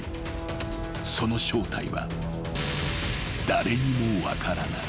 ［その正体は誰にも分からない］